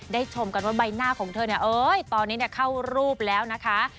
ชมกันว่าใบหน้าของเธอเนี่ยเอ้ยตอนนี้เข้ารูปแล้วนะคะ